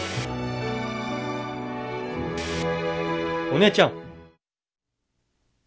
お姉ちゃん。